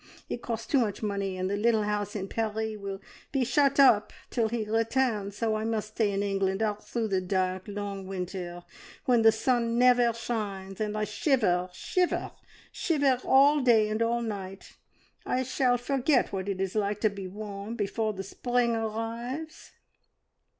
It costs too much money, and the little house in Paris will be shut up till he returns, so I must stay in England all through the dark, long winter, when the sun never shines, and I shiver, shiver, shiver all day and all night! I shall forget what it is like to be warm before the spring arrives!"